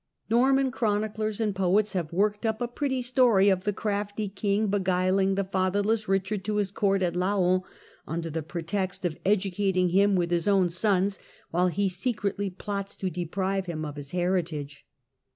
Norman chroniclers and poets have worked up a pretty story of the crafty king beguiling the father less Eichard to his court at Laon, under the pretext of educating him with his own sons, while he secretly plots to deprive him of his heritage.